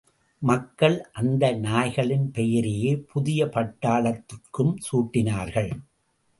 மக்கள் அந்த நாய்களின் பெயரையே புதிய பட்டாளத்துற்கும் சூட்டினார்கள்.